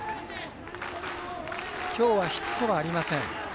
きょうはヒットはありません。